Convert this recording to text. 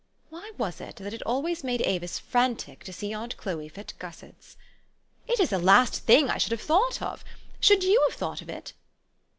(Why was it, that it always made Avis frantic to see aunt Chloe fit gussets?) "It is the last thing I should have thought of. Should you have thought of it?"